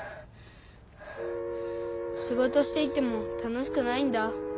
しごとしていても楽しくないんだ。